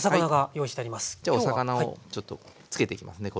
じゃお魚をちょっとつけていきますね衣。